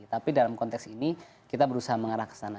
tapi dalam konteks ini kita berusaha mengarah ke sana